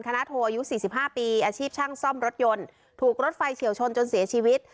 โทอายุ๔๕ปีอาชีพช่างซ่อมรถยนต์ถูกรถไฟเฉียวชนจนเสียชีวิต